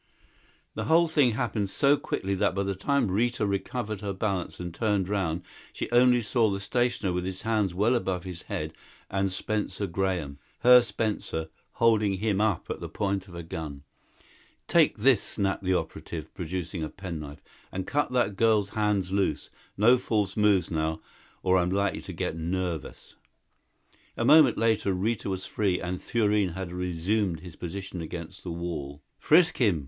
The whole thing happened so quickly that by the time Rita recovered her balance and turned around she only saw the stationer with his hands well above his head and Spencer Graham her Spencer holding him up at the point of a gun. "Take this," snapped the operative, producing a penknife, "and cut that girl's hands loose! No false moves now or I'm likely to get nervous!" A moment later Rita was free and Thurene had resumed his position against the wall. "Frisk him!"